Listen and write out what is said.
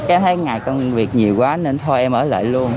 em thấy ngày công việc nhiều quá nên thôi em ở lại luôn